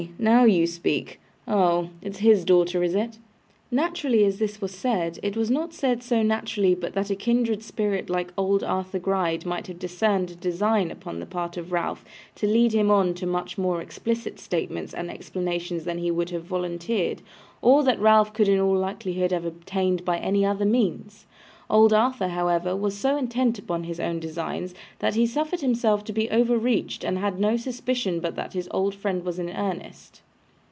Now you speak. Oh! It's HIS daughter, is it?' Naturally as this was said, it was not said so naturally but that a kindred spirit like old Arthur Gride might have discerned a design upon the part of Ralph to lead him on to much more explicit statements and explanations than he would have volunteered, or that Ralph could in all likelihood have obtained by any other means. Old Arthur, however, was so intent upon his own designs, that he suffered himself to be overreached, and had no suspicion but that his good friend was in earnest.